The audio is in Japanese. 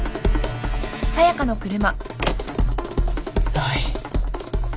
ない。